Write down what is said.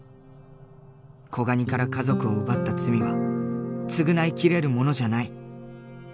子ガニから家族を奪った罪は償いきれるものじゃない。